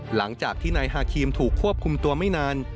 หลังจากที่นายฮาครีมถูกควบคุมตัวไม่นาน